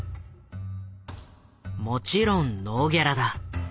もちろんノーギャラだ。